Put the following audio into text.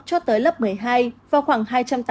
cho tới lớp một mươi hai vào khoảng